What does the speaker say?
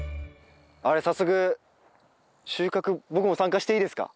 あれ早速収穫僕も参加していいですか？